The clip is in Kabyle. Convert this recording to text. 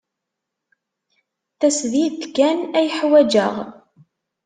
Tasdidt kan ay ḥwajeɣ.